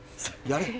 やれ。